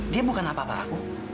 dia bukan apa apa aku